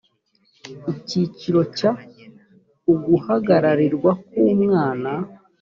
icyiciro cya uguhagararirwa k umwana